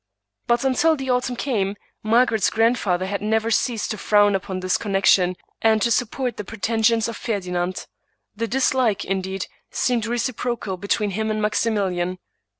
But, until the autumn came, Margaret's grandfather had never ceased to frown upon this connection, and to support the pre tensions of Ferdinand. The dislike, indeed, seemed recip rocal between him and Maximilian.